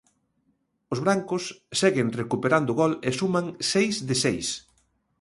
Os brancos seguen recuperando gol e suman seis de seis.